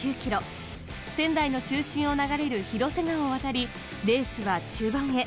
仙台の中心を流れる広瀬川を渡り、レースは中盤へ。